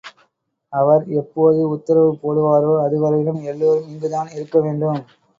அவர் எப்போது உத்தரவு போடுவாரோ அதுவரையிலும் எல்லாரும் இங்குதான் இருக்க வேண்டும்.